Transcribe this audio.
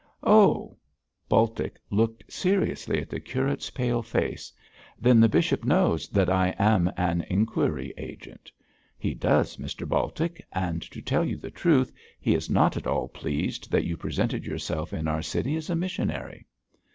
'Oh!' Baltic looked seriously at the curate's pale face. 'Then the bishop knows that I am an inquiry agent.' 'He does, Mr Baltic. And, to tell you the truth, he is not at all pleased that you presented yourself in our city as a missionary.'